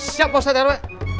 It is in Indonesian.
siap pak ustaz t r w